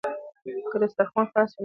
که دسترخوان خلاص وي نو میلمه نه شرمیږي.